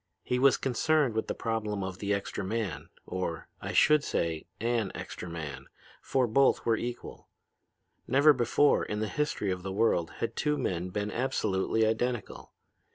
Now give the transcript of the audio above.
He was concerned with the problem of the extra man, or, I should say, an extra man, for both were equal. Never before in the history of the world had two men been absolutely identical.